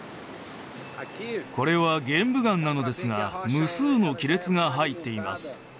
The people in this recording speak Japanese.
これは玄武岩なのですが無数の亀裂が入っています